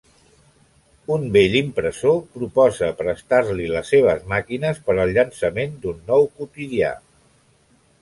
Un vell impressor proposa prestar-li les seves màquines per a llançament d’un nou quotidià.